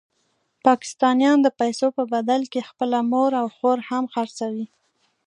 پاکستانیان د پیسو په بدل کې خپله مور او خور هم خرڅوي.